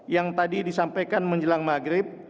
yang tadi disampaikan menjelang maghrib